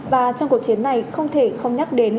và trong cuộc chiến này không thể không nhắc đến